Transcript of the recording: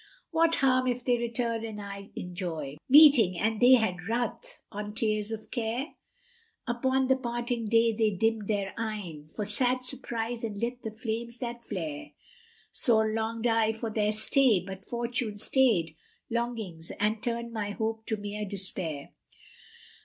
What harm if they return and I enjoy * Meeting, and they had ruth on tears of care? Upon the parting day they dimmed these eyne, * For sad surprise, and lit the flames that flare. Sore longed I for their stay, but Fortune stayed * Longings and turned my hope to mere despair.